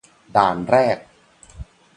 ด่านแรก